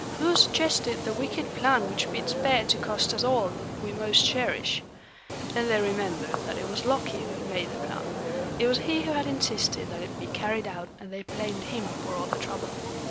"Who suggested the wicked plan which bids fair to cost us all that we most cherish?" Then they remembered that it was Loki who had made the plan; it was he who had insisted that it be carried out and they blamed him for all the trouble.